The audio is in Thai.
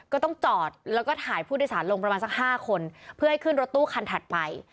ก็ต้องจอดแล้วก็ถ่ายผู้โดยสารลงประมาณสัก๕คนเพื่อให้ขึ้นรถตู้คันถัดไป